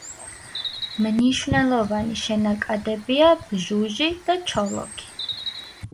მნიშვნელოვანი შენაკადებია ბჟუჟი და ჩოლოქი.